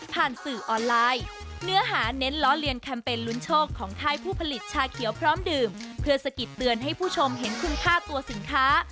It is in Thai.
การดูดดื่มเพื่อสกิดเตือนให้ผู้ชมเห็นคุณค่าตัวสินค้า